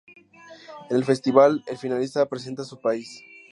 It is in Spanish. En el festival, el finalista representa a su país.